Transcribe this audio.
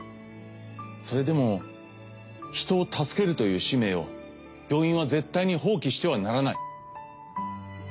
それでも人を助けるという使命を病院は絶対に放棄してはならない。